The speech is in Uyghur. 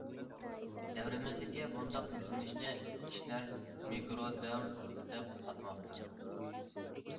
دەۋرىمىزدىكى بۇنداق يۈزلىنىشنى كىشىلەر‹‹ مىكرو دەۋر›› دەپ ئاتىماقتا.